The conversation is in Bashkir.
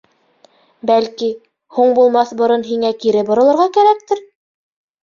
Бәлки, һуң булмаҫ борон һиңә кире боролорға кәрәктер?